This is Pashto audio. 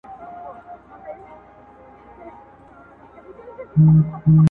دا چي سپی دومره هوښیار دی او پوهېږي,